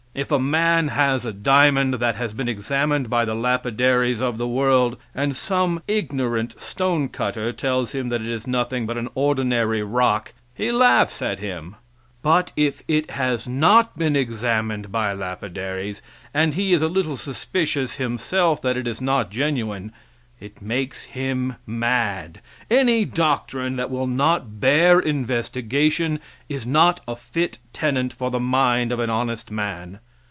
If a man has a diamond that has been examined by the lapidaries of the world, and some ignorant stonecutter tells him that it is nothing but an ordinary rock, he laughs at him; but if it has not been examined by lapidaries, and he is a little suspicious himself that it is not genuine, it makes him mad. Any doctrine that will not bear investigation is not a fit tenant for the mind of an honest man.